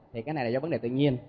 thì cái này là do vấn đề tự nhiên